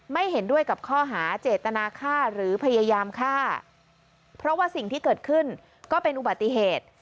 ไม่เห็นด้วยกับข้อหาเจตนาฆ่าหรือพยายามฆ่าเพราะว่าสิ่งที่เกิดขึ้นก็เป็นอุบัติเหตุ